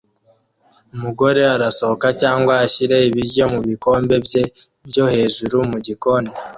Umugore arasohoka cyangwa ashyira ibiryo mubikombe bye byo hejuru mugikoni